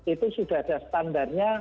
itu sudah ada standarnya